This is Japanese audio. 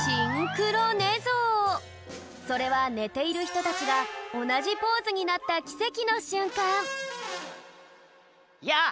それはねているひとたちがおなじポーズになったきせきのしゅんかんやあ！